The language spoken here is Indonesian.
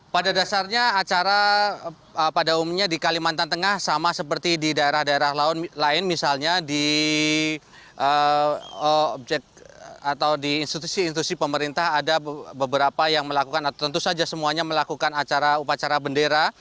pada dasarnya acara pada umumnya di kalimantan tengah sama seperti di daerah daerah lain misalnya di objek atau di institusi institusi pemerintah ada beberapa yang melakukan atau tentu saja semuanya melakukan acara upacara bendera